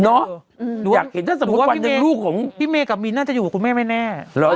หรือว่าพี่เมฆกับมิ้นน่าจะอยู่กับคุณแม่แม่แน่